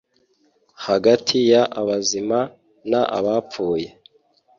hagati y abazima n abapfuye